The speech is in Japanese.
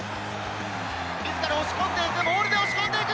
自ら押し込んでいくボールで押し込んでいく。